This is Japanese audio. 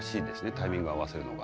タイミング合わせるのが。